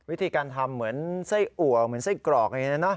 วิธีการทำเหมือนไส้อัวเหมือนไส้กรอกอย่างนี้นะ